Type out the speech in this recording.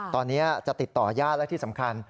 ตอนนี้จะติดต่อญาติและที่สำคัญ